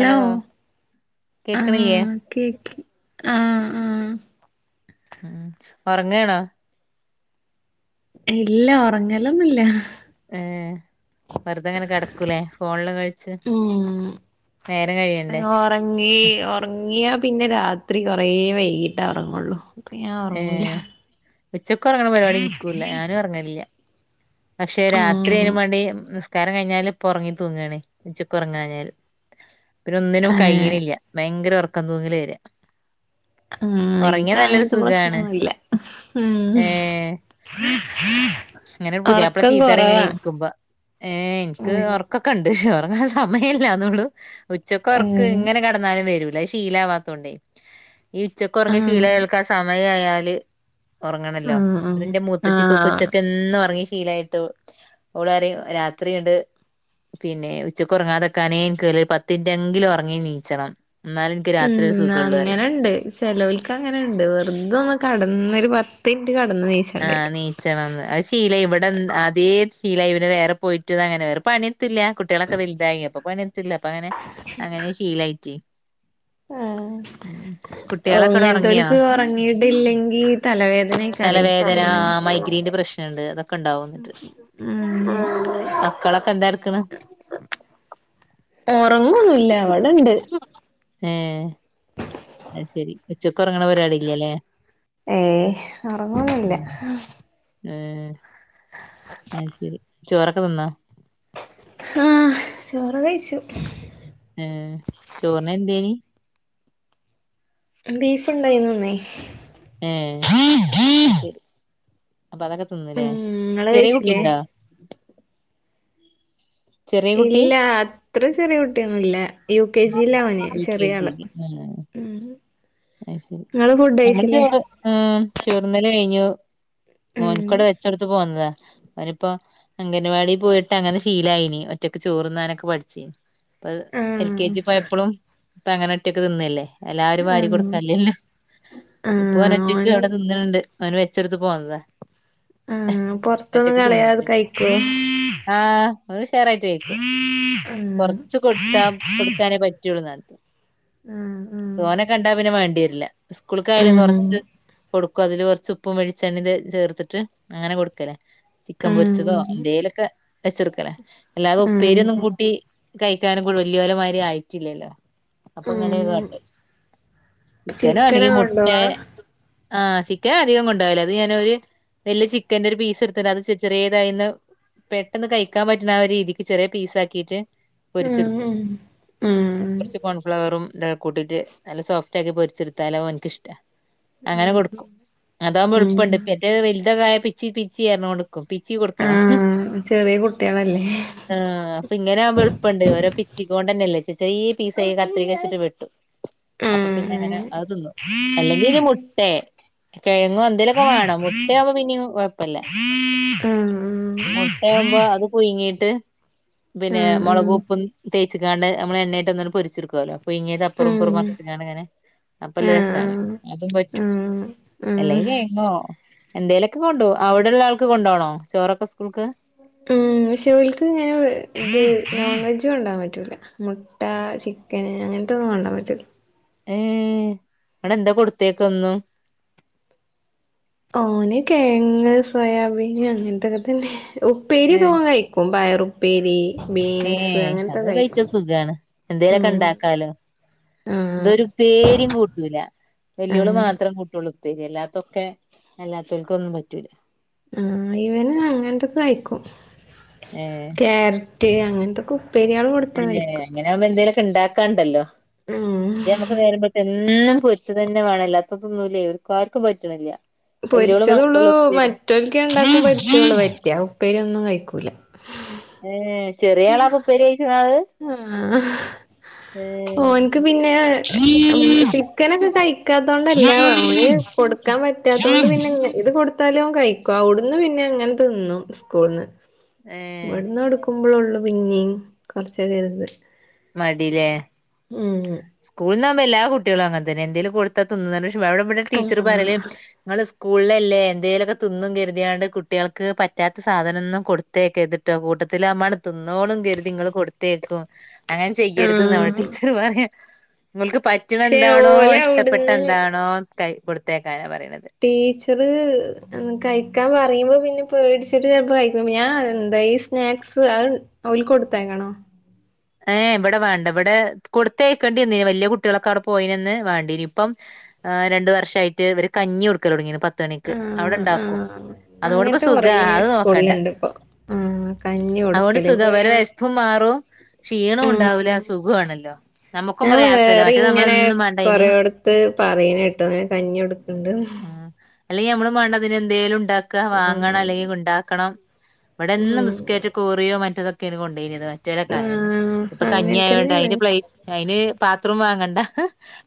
Hello ആ കേക്കണില്ലേ കേക്കി ആ ആ ഉം ഒറങ്ങയാണോ ഇല്ല ഉറങ്ങലൊന്നുമില്ല ഏ വെറുതെ ഇങ്ങനെ കിടക്കൂലേ ഫോണിലും കളിച്ച് ഉം നേരം കഴിയണ്ടേ ഒറങ്ങി ഒറങ്ങിയാ പിന്നെ രാത്രി കൊറേ വൈകിട്ടേ ഒറങ്ങുള്ളൂ അപ്പ ഞാൻ ഉറങ്ങൂല ഉച്ചകൊറങ്ങണ പരിപാടി എനക്കൂല്ല ഞാനുഉറങ്ങൂല്ല പക്ഷെ രാത്രി ഉം അയിനുംവേണ്ടി നിസ്ക്കാരം കഴിഞ്ഞാല് ഉറങ്ങി തൂങ്ങാണേ ഉച്ചക്കുറങ്ങാഞ്ഞാല് പിന്നൊന്നിനും ഏഹ് കഴിയണില്യ ഭയങ്കര ഒറക്കം തൂങ്ങല് വരികാ ഉം എനിക്ക് അങ്ങനത്തെ പ്രശ്നൊന്നുമില്ല ഏഹ് ഹ ഹാ [inaudible] പുതിയാപ്ല ചീത്തറേങ്ങനെ ഇരിക്കുമ്പോ ഏ എനിക്ക് ഉം ഉറക്കൊക്കെണ്ട് ഉറങ്ങാൻ സമയില്ല അതൊള്ളൂ ഉച്ചകൊറക്കം ഏഹ് ഇങ്ങനെ കെടന്നാലും വരും ഇല്ല ശീലാവാത്തോണ്ടേ ഈ ഉച്ചക്കൊറങ്ങി ആഹ് ശീലാൾക്കെ സമയായാലേ ഉറങ്ങണല്ലോ ആഹ് ആഹ് അതിന്റെ ആഹ് മൂത്തച്ചിക്കുക്കെന്നുറങ്ങി ശീലായിട്ട് ഓള് പറയും രാത്രീണ്ട് പിന്നെ ഉച്ചക്ക് ഉറങ്ങാതെക്കാനെ എനക്ക് പത്തിറ്റെങ്കിലും ഒറങ്ങീ ച്ചണം ഉം അങ്ങനുണ്ട് ചെലവയ്ക്ക് അങ്ങനെയുണ്ട് വെറുതൊന്ന് കടന്നൊരു പ ആ നീച്ചവന്ന് ആശീലം ഇവിടെന്ന് അതേ ശീലായി. പിന്നെ വേറെ പോയിട്ടും ഇതങ്ങനെ. വേറെ പണി ത്തില്ല കുട്ടിയെളൊക്കെ വെല്തായി. അപ്പൊ പണി എത്തുല്ല. അപ്പ അങ്ങനെ അങ്ങനെ ശീലായിറ്റെ ആഹ് ഓ കുട്ടികളൊക്കെടെ ഉറങ്ങിയോ അങ്ങനത്തോൽക്ക് ഉറങ്ങിയിട്ടില്ലെങ്കീ തലവേദനേക്കാരെ [unintelligible] കൊണ്ടാവുവന്നിട്ട് ഉം മക്കളൊക്കെ എന്താ ഇട്ക്ക്ണ് ഒറങ്ങൊന്നൂല്ല. ഇവടെണ്ട് ഏഹ് അത് ശരി ഉച്ചക്ക് ഒറങ്ങണ പരിപാടി ഇല്ലല്ലേ ഏയ് ഒറങ്ങൊന്നുല്ല ഉം ഏഹ് അത് ശരി. ചോറൊക്കെ തിന്നൊ ഹാഹ് ചോറ് ക്കെ കഴിച്ചു ഏഹ് ചോറിന് എന്തേനി ബീഫ് ഉണ്ടായിന്നു ഇന്നേ ഏഹ് ശരി അപ്പൊ അതൊക്കെ തിന്ന് ലേ ഉം ഇങ്ങള് ചെറിയ കഴിച്ചില്ലേ കുട്ടിണ്ടൊ ഇല്ല അത്ര ചെറിയ കുട്ടിയൊന്നുംല്ല യു കെ ജി ലാ ഓന് യു ചെറിയ ആള് മ് അഹ് ശരി. നമ്മള് ചോറ് ആ ചോറുണ്ണല് കഴിഞ്ഞു ഉം മോൻകടെ വെച്ചൊടുത്തു പോന്നതാ അവനിപ്പോ അംഗൻവാടി പോയിട്ട് അങ്ങനെ ശീലായിനി ഒറ്റക്ക് ചോറുണ്ണാനൊക്കെ പഠിച്ചിനി ഇപ്പൊ എൽ കെ ആഹ് ജി പോയപ്പളും ഇപ്പ അങ്ങനെ ഒറ്റക്ക് തിന്നല്ലേ എല്ലാരും വാരി കൊട് ആഹ് ക്കല്ലല്ലൊ. ഇപ്പൊ ഓന് ഒറ്റക്ക് അവിടെ തിന്ന്ണ് ണ്ട്. ഓന് വെച്ചു കൊടുത്തിട്ട് പോന്നതാ ഉം പൊറത്തൊന്നും ഒറ്റക്ക് കളയാതെ തിന്നട്ടെ കഴിക്കോ ആഹ് ഓന് ഉഷാറായിട്ട് കയിക്കും. ഉം കൊറച്ച് കൊടുത്താ കൊടുക്കാനേ പറ്റൊള്ളൂന്നറിം ഉം ഉം തോനെ കണ്ടാ പിന്നെ മാണ്ടിയര്ല്ല സ്കൂൾക്കായാലും ഉം കൊറച്ച് കൊടുക്കും അതില് കുറച്ച് ഉപ്പും വെളിച്ചെണ്ണിം ചേർത്തിട്ട് അങ്ങനെ കൊടുക്കല ചിക്കൻ ഉം പൊരിച്ചതോ എന്തേലൊക്കെ വെച്ചൊടുക്കലാ. അല്ലാതെ ഉം ഉപ്പേരിയൊന്നും കൂട്ടി കഴിക്കാനും കൂടി വല്യോരെ മായിരി ആയിട്ടില്ലല്ലോ അപ്പൊ ഇങ്ങനെ ഉം കാട്ടാ ചിക്കനോ ചിക്കന് അല്ലെങ്കിൽ മുട്ടെ കൊണ്ടോവാ ആഹ് ചിക്കന് അധികം കൊണ്ടാവല്ല അത് ഞാനൊര് വലിയ ചിക്കൻന്റെ ഒരു പീസ് ഇട്ത്ത്ണ്. അത് ചെ ചെറിയതായിന്നാ പെട്ടെന്ന് കഴിക്കാൻ പറ്റ്ണ ആ ഒര് രീതിക്ക് ചെറിയ പീസാക്കിട്ട് ഉം പൊരിച്ചെടുക്കും ഉം കുറച്ച് കോൺഫ്ലവറും ഇതൊക്കെ കൂട്ടിട്ട് നല്ല സോഫ് റ്റ് ആക്കി പൊരിച്ച് എടുത്താൽ അ ഓൻക്കിഷ്ടാ അങ്ങനെ ഉം കൊടുക്കും. അതാകുമ്പോ ഉം എളുപ്പണ്ട്. മറ്റെ വലുതൊക്കായ പിച്ചി പിച്ചി പറഞ്ഞോണ്ട് ക്കും. പിച്ചി കൊടുക്കണം ആഹ് ചെറിയ കുട്ടികളല്ലേ ആഹ് അപ്പൊ ഇങ്ങനെ ആവുമ്പ എളുപ്പണ്ട് ഓരോ പിച്ചിക്കോണ്ടന്നെല്ലേ ചെറിയ പീസ് ആയി കത്രിക വെച്ചിട്ട് വെട്ടും അപ്പൊ പിന്നെ അങ്ങനെ ഉം അത് തിന്നും. അല്ലെങ്കില് മുട്ടേ കിഴങ്ങും എന്തേലൊക്കെ വാണം. മുട്ടയാമ്പോ പിന്നിം കൊഴപ്പല്ല ഉം മുട്ടയാവുമ്പോ അത് പുയുങ്ങി ട്ട് പിന്നെ ഉം ഉം മുളകുംഉപ്പും തേച്ച്ക്കാണ്ട് ഞമ്മള് എണ്ണേ ഇട്ട് ഒന്ന് പൊരിച്ചെടുക്കല്ലോ പുയുങ്ങിയത് അപ്പുറം ഇപ്പുറും ഉം മ ർച്ച്കാണ്ട് ഇങ്ങനെ അപ്പ ല്ല രസാണ്. ആഹ് അതും ആഹ് പറ്റും ഉം ഉം അല്ലെങ്കി കെഴങ്ങോ എന്തേലൊക്കെ കൊണ്ടുപോവും. അവിടെള്ള ആൾക്ക് കൊണ്ടോണോ ചോറൊക്കെ സ്കൂൾക്ക് ഉം പക്ഷെ ഓൽക്ക് ഇങ്ങനെ ഇത് നോൺ വെജ് കൊണ്ടാവാൻ പറ്റൂല. മുട്ട, ചിക്കൻ അങ്ങനത്തെൊന്നും കൊണ്ടോ വാൻ പറ്റൂല്ല ഏഹ് ഇന്നട്ട് എന്താ കൊടുത്തയക്ക എന്നും ഓന് കെഴങ്ങ് സോയാബീൻ അങ്ങനത്തൊക്കെ തന്നെ ഉപ്പേരിയൊക്കെ ഏഹ് ഓൻ കഴിക്കും. പയർ ഉപ്പേരി ഏഹ് അത് കഴിച്ച സുഖാണ്. എന്തേലൊക്കെ ഉം ഉണ്ടാക്കാലോ ആഹ് ഇതൊരു ഉപ്പേരിയും കൂട്ടൂല. വല്യോള് ആഹ് മാത്രം കൂട്ടുള്ളൂ ഉപ്പേരിയല്ലാത്തൊക്കെ എല്ലാത്തവർക്കും ഒന്നും പറ്റൂല. ആഹ് ഇവന് അങ്ങനത്തൊക്കെ കഴിക്കും, ഏഹ് ക്യാര റ്റ് അങ്ങനത്തൊക്കെ ഉപ്പേരികള് കൊടുത്താ കഴിക്കും. റ്റ് ഇണ്ടാക്കണ്ടല്ലോ ഉം ഇത് നമുക്ക് നേരം വെളുത്ത് എ എന്നും പൊരിച്ചു തന്നെ വേണം, ഇല്ലാത്തതൊന്നും തുന്നുല്ലേ ഇവർക്ക് ആർക്കും പറ്റണില്ല. വല്യോള് പൊരിച്ചതുള്ളൂ മാത്രള്ളൂ ഉപ്പേരി മറ്റോര്ക്ക് രണ്ടാൾക്കും [unintelligible] ഉപ്പേരി ഒന്നും കഴിക്കൂല. ഏഹ് ചെറിയ ആളാ അപ്പ ഉപ്പേരി കഴിക്കുന്ന ആള്. ആഹ് ഏ ഓനിക്ക് പിന്നെ മ് ചിക്കനൊക്കെ കഴിക്കാത്തോണ്ടല്ല ഓന് കൊടുക്കാ ൻ പറ്റാത്തകൊണ്ട് പിന്നെ ഇങ്ങ് ഇത് കൊടുത്താലും കഴിക്കും, അവിടുന്ന് പിന്നെ അങ്ങനെ തിന്നും സ്കൂൾന്ന്. ഏ [unintelligible] പിന്നെയും [unintelligible] മടില്ലേ സ്കൂളിന്ന് ആകുമ്പോ എല്ലാ കുട്ടികളും അങ്ങനെ തന്നെ എന്തേങ്കലും കൊടുത്ത തിന്നുന്ന് പറ [unintelligible] അവിടെ പിന്നെ ടീച്ചർ പറയല് ആഹ് നിങ്ങള് സ് സ്കൂളിലല്ലേ എന്തെലൊക്കെ തിന്നും കരുതിയാണ്ട് കുട്ടികൾക്ക് പറ്റാത്ത സാധനം ഒന്നും കൊടുത്തയക്കരുത്ട്ടോ കൂട് ട്ടത്തിലമണ തിന്നോളും കരുതി ഇങ്ങള് കൊടുത്തേക്കും. അങ്ങനെ ചെയ്യരുത് നമ്മുടെ ആഹ് ടീച്ചർ പറയാ. നിങ്ങൾക്ക് പറ്റണ പക്ഷെ എന്താണോ ഓലെ ഇഷ്ടപ്പെട്ട അവിടുന്ന് എന്താണോ ക കൊടുത്തേക്കാന പറയ. ടീച്ചറ് കഴിക്കാൻ പറയുമ്പോ പിന്നെ പേടിച്ചിട്ട് ചെലപ്പോ കഴിക്കും, ഞാൻ എന്താ ഈ സ്നാക്സ് അ ഓല് കൊടുത്തക്കണോ? ഏഹ് ഇവിടെ വേണ്ട ഇവിടെ കൊടുത്തയക്കേണ്ടിന്ന് വല്യ കുട്ടികളൊക്കെ അവിടെ പോയിനന്ന് വേണ്ടേന് ഇപ്പം ആ രണ്ട് വർഷായിട്ട് ഇവര് കഞ്ഞി കൊടുക്ക തുടങ്ങിരുന്നു പത് പത്തണിക്ക് അവിടെ ആഹ് ഇണ്ടാക്കും, ആഹ് അതോണ്ട്പ്പ അങ്ങനത്തെ സുഖ കൊറേ അത് നോക്കണ്ട സ്കൂളിലുണ്ട് ഇപ്പൊ ആഹ് കഞ്ഞി അതുകൊണ്ട് കൊടുക്കല് സുഖ ഇപ്പൊ അവരെ ഞാൻ വെശ്പ്പും മാറും ക്ഷീണം ആഹ് ഒണ്ടാവൂല സുഗുവാണല്ലോ നമ്മുക്കും ഞാൻ പ്രയാസല്ല വേറെ മറ്റേ നമ്മള ഇന്നും വേണ്ട അന് പറയന കേട്ടൊന്നെ കഞ്ഞി എടുക്കണ്ട്ന്ന്. അല്ലെ ഞമ്മള് മണ്ടതിന് എന്തേലും ഉണ്ടാ ണ്ടാക്ക ആഹ് വാങ്ങണം അല്ലെങ്കിൽ ഉണ്ടാക്കണം ഇവിടെന്നും ഉം ബിസ്ക്കറ്റ് കൂറിയോ മറ്റതൊക്കെനി കൊണ്ടരത്. റ്റലക്കായന്ന് ആഹ് ഇപ്പ അങ്ങനെ കഞ്ഞിയായോണ്ട് തന്നെയാണ് അയിന് പ്ലേ അയിന് പാത്രേം വാങ്ങണ്ട.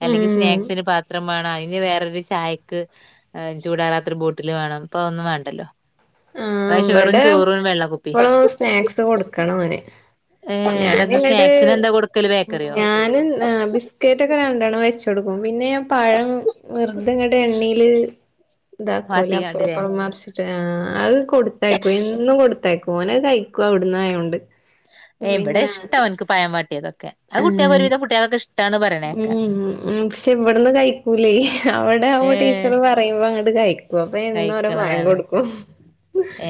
അല്ലെങ്കിൽ ഉം സ്നാക്സിന് പാത്രം വേണം, അയി ഇനി വേറൊരു ചായക്ക് ഏ ചൂടാറാത്തരു ബോട്ടില് വേണം, പ്പോ ഒന്നും വേണ്ടല്ലോ. ആ ഇപ്രാവശ്യം വെറും ഇവടെ ചോറും വെള്ള കുപ്പി ഇപ്പളും സ്നാക്സ് കൊടുക്കണം അവന്. ഏ എടെ നിങ്ങടെ മ് ഞാനും ഏ ബിസ്ക്കറ്റ് ഒക്കെ രണ്ടണ്ണം വെച്ച് കൊടുക്കും, പിന്നെ പഴം വെറുതെങ്ങട് എണ്ണീല് ഇതാക്കൂല അപ്പുറം വാട്ടിക്കാണ്ടില്ലേ ഇപ്പുറം മാറിട്ച്ചിട്ടി ആ അത് കൊടുത്തേക്കും എന്നും കൊടുത്തേക്കും ഓനത് കഴിക്കൂ അവിടുന്ന് ആയോണ്ട്. എവിടെ ഇഷ്ട ഓന്ക്ക് പയം വാട്ടിയതൊക്കെ, അത് കുട്ടിക്ക് ഒരുവീതം കുട്ടികൾക്കൊക്കെ ഇഷ് മ് മ് മ് പക്ഷേ ഇവിടന്ന് കഴിക്കൂലേ അവടെ ആകുമ്പോ ഏഹ് ടീച്ചറ് പറയുമ്പോ അങ്ങ [unintelligible] ഇന്നരോ ര പയം കഴിക്കണതാണ് കൊടുക്കും.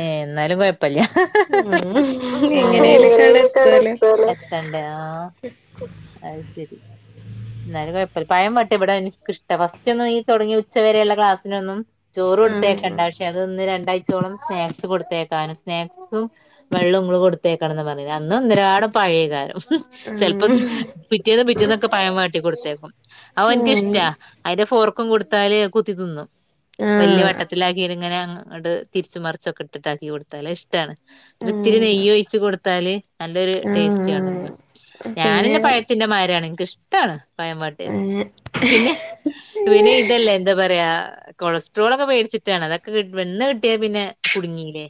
ഏഹ് എന്നാലും കൊഴപ്പല്ല ആ എങ്ങനെലൊക്കട എത്തുല്ലോ. ആ അത് ശരി. എന്നാലും കൊഴപ്പല്ല, പയം വാട്ടിയ ഇവിടെ എനിക്കിഷ്ട ഫസ്റ്റ് ഒന്നും ഈ തൊടങ്ങി ഉച്ചവരെയുള്ള ക്ലാസ്സിനൊന്നും ചോറ് കൊടുത്തയക്കണ്ട ആഹ് പക്ഷേ അതൊന്ന് രണ്ടാ [unintelligible] സ്നാക്സ് കൊടുത്തേക്കാനും സ്നാക്സും വെള്ളവും ഇങ്ങള് കൊടുത്തേക്കണന്ന് [unintelligible] അന്നും ഒന്നരാടം പ പഴെകാരം ചെലപ്പം ആഹ് പിറ്റേന്നും പിറ്റീന്നൊക്കെ പഴം വാട്ടി കൊടുത്തേക്കും, ആഹ് അവന്ക്കിഷ്ടാ അതിന്റെ ഫോർ ക്കം കൊടുത്താല് കുത്തി തിന്നും, വലിയ ആഹ് വട്ടത്തിലാക്കി ഇത് ഇങ്ങനെ മ് അത് തിരിച്ചും മറിച്ചൊക്കെ ഇട്ടിട്ടാക്കി കൊടുത്താല് ഇഷ്ടാണ്, ഇത് ഇത്തിരി നെയ്യ് ഒഴിച്ച് കൊടുത്താല് നല്ലൊരു ആഹ് ടേസ്റ്റ് ആണല്ലോ ആഹ് പിന്നെ ഞാനന്നെ പഴത്തിന്റെമാരാണ് എക്ക് ഇഷ്ടാണ്. പയം വാട്ടിയാത് അങ്ങനെ പിന്നെ പിന്നെ ഇതല്ലേ എന്താ പറയാ കൊളസ്ട്രോൾൊക്കെ പേടിച്ചിട്ടാണ് അതൊ ഇന്ന് എ പിന്നെ കുടുങ്ങല്ലേ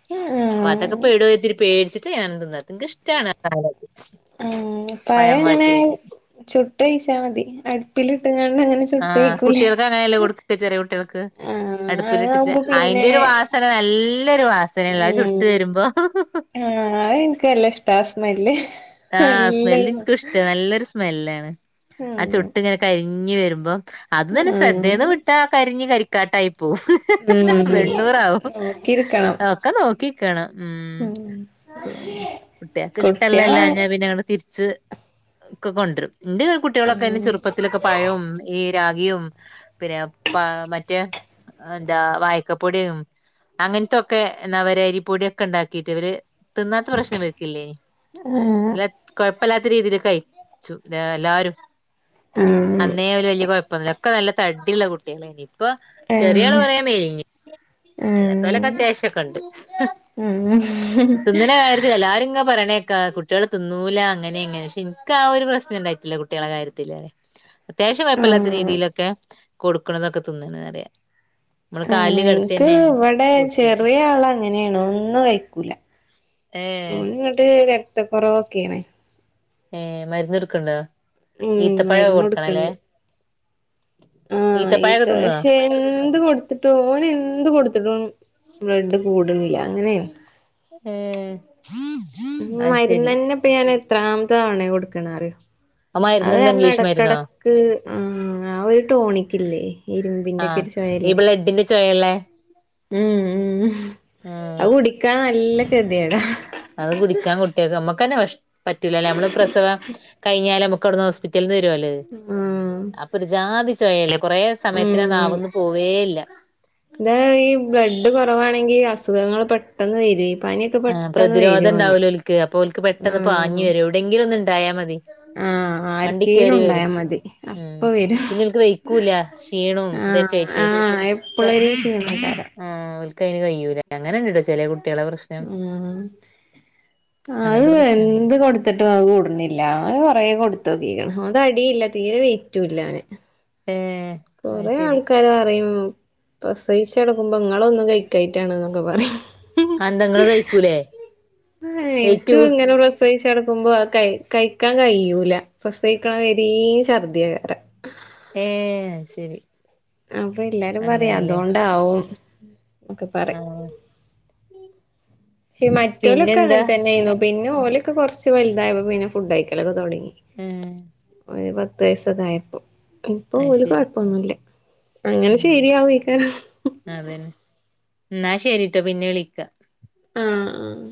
അപ്പൊ ആഹ് അതൊക്കെ പേടുവോ എന്ന് പേടിച്ചിട്ട് ചെയ്യാനുണ്ട് നിനക്ക് ഇഷ്ടമാണ് ഉ പഴ പഴം ഇങ്ങനെ വാട്ടിയത് ചുട്ട് കഴിച്ചാ മതി അടുപ്പിലിട്ടങ്ങ ആഹ കുട്ടികൾക്ക് അങ്ങനെയല്ലേ കൊടുക്ക ചെറിയ കുട്ടികൾക്ക് ആഹ് അടുപ്പിലിട്ടിച്ച് അതാവുമ്പോ പിന്നെ അയിന്റെ ഒരു വാ നല്ലൊരു വാസനള്ള അത് ഉം ചുട്ടു വരുമ്പോ മി ആഹ സ്മെല് എനിക്കും ഇഷ്ട നല്ലൊരു സ്മെല്ലാണ് ആ ആഹ് ചുട്ട് ഇങ്ങനെ കഴ വരുമ്പോ അത് തന്നെ ശ്രദ്ധേൽന്ന് ആഹ് വിട്ട കരി കരിക്കാട്ട ഉം വെണ്ണൂറാവും നോക്കിയിരിക്കണം ഒക്കെ നോക്കി ഉം കുട്ടികക്ക് ഇഷ്ടല്ല കുട്ട്യാള എല്ലാര തിരി ഒെ കൊും ഉം കുട്ടികളൊക്കെ ചെറുപ്പത്തിലൊക്കെ പഴവും രാഗിയും പിന്നെ പ മറ്റേ എന്താ വായക്കപ്പൊടിയും അങ്ങനത്തൊക്കെ എന്താ അവ അരിപ്പൊടിയൊക്കെ ഉണ്ടാക്കിട്ട് ഇവര് തിന്നാത്ത പ്രശ്നം വക്കില്ലേ ആഹ് ഇല്ല പ്പല്ലാത്ത രീതിൽ കൈ എല്ലാരും ആഹ് അന്നേ വല്ിയ കുഴപ്പൊന്നില്ല ഒക്കെ നല്ല തടിിയുള്ള കുട്ടികള ഇനി ഇപ്പൊ ചെറിയ ആള് ആഹ് പറയാൻ മേഞ്ഞ അല്ലാ തലക്ക ആഹ് അത്യാവശ്യംൊക്കെ ഉണ്ട് ഉം ുന്നിനെ കാര്യത്തില്ല ആരും ഇങ്ങ പറയണേ കുട്ടികെ തിന്നൂല അങ്ങനെ എങ്ങനെ പക്ഷെ എനിക്ക ആ ഒരു പ്രശ്നം ഉണ്ടായിട്ടില്ല കുട്ടികളെ കാര്യത്തി അത്യാവശ്യം ആഹ് വയപ്പമല്ലാത്ത ആഹ് രീതിയിലൊക്കെ കൊടുക്കണ എന്നൊക്കെ തിന്നണറിയ നമ്മ നിനിക്ക് ഇവിടെ ചെറിയ ആള അങ്ങനെയണോ ഒന്നും കഴിക്കൂല ഏ നിങ്ങട്ട് രക്തക്കറവൊക്കെയണേ ഏർ മരുന്ന് എടുക്കണ്ടോ ഉം ഈത്ത പഴമ കൊടുക്കണല്ലേ ആഹ ഈത്ത ഈത്തപ്പഴൊക്കെ തിന്നോ പക്ഷേ എന്ത് കൊടുത്തിട്ടും ഓന എന്ത് കൊടുത്തിട്ടും ബ്ലഡ് കൂടണില്ല അങ്ങനെയ ഉം മരുന്ന് തന്നെപ്പ ഞാൻ എത്രാമത്തെ തവണ കൊടുക്കണറോ ആ അത് മരുന്നെന്താ കാരണം ഇംഗ്ലീഷ് മരുന്നോ ഇടക്കടക്ക് ആ ആ ഒരു ടോണിക്കില്ലേ ഇരുമ്പിന്റെറെ ഒക്കെ ആഹ് ഒരു ഈ സായല്ലേ ബ്ലഡിന്റെ ചൊയള്ളേ ഉം ഉ ഉം അ കുടിക്കാ നല്ല കരുതിേടാ അത് കുടിക്കാൻ കുട്ടിയൊക്കെ നമ്മക്ക് പറ്റൂ നമ്മ പ്രസവ കഴിഞ്ഞാല നുക്ക് അവിടുന്ന് ഹോസ്പിറ്റല ആഹ് അപ്പൊ ഒരു ജാതി ചോയല്ലേ കൊറേ സമയത്തിന് ഉം നാവൊന്നും പോവേ ഇല്ല ഇതാ ഈ ബ്ലഡ് കൊറവാണെങ്കി അസുഖങ്ങള് പെട്ടെന്ന് വര് ആ പ്രതിരോധംണ്ടാവലോ ഒലക്ക് അപ്പൊ അവക്ക് പെട്ടെന്ന് പാഞ്ഞഞ് വരും എവിടെയെങ്കിലും ഒന്നും ഉണ്ടായാൽ മതി ആഹ വണ്ടി ആക്കെിലും കേറി വരും ഉണ്ടായാൽ മതി ഉം അപ്പ വരും പിന്നെ ഓൽക്ക് വെയ്ക്കൂല ക്ഷീണവും ആ ഇതൊക്കെ ആയിട്ട് ആഹ ക്കെ എപ്പോള്ളൊര് ചെയ്യുന്നട്ടാര ആഹ് അയിന് ഓൽക്ക് കഴയില്ല അങ്ങന ഉണ്ടട ചില കുട്ടികളെശ്ം ഉ ആ അങ്ങനത്തെ അ പ്രശ്നം എന്ത് കൊടുത്തിട്ടും അത് കൂടുന്നില്ല അവ കൊറ കൊടുത്ത നോക്കിക്കണം അത അടിയില്ല തീരെ വെറ്റൂല്ലാന് ഏഹ് അത് കൊറെേ ശരി ആൾക്കാര് അറയും പ്രസിച്ചടക്കുമ്പോ ങ്ങളൊന്ന കഴിക്കായിട്ടാണ എന്നൊക്കെ പറയും അതെന്താ ഇങ്ങള് കഴിക്കൂലേ ആ വെയിറ്റ് എനിക്ക് കൂ ഇങ്ങനെ പ്ര പ്രസിച്ചടുക്കുമ്പോ ക കഴിക്കാൻ കഴിയൂല പ്രസവിക്കണ വരും ഛർദിയകാരം ഏ ശരി അപ്പൊ എല്ലാരും പറയാ അങ്ങനെല്ലേ അതുകൊണ്ടാവും ഒക്കെ പറ ആ ഈ മറ്റോലൊക്കെ പിന്നെന്താ അങ്ങനെ തന്നെ ആയിരുണു പിന്നെ ഓലക്ക്‌ കൊറച്ച് വലുതായപ്പ പിന്നെ ഫുഡ് കയിക്കലൊക്കെ തൊടങ്ങി ഉം ഒരു പത്ത് വയസൊക്കെ ആയപ്പോ ഇപ്പൊ അത് ഒരു ശരി കുഴപ്പൊന്നുമല്ല അങ്ങനെ ഉം ശെരിയാവും ഇക്കാ അതന്നെ എന്നാ ശരിട്ടോ പിന്നെ വിളിക്ക ആഹ് ആഹ്